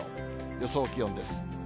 予想気温です。